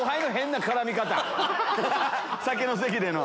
酒の席での。